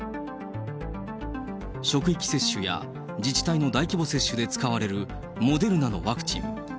職域接種や自治体の大規模接種で使われるモデルナのワクチン。